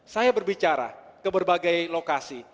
saya berbicara ke berbagai lokasi